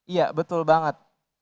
iya betul banget